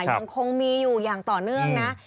ยังคงมีอยู่อย่างต่อเนื่องนะ